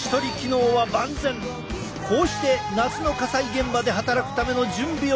こうして夏の火災現場で働くための準備をしているのだ！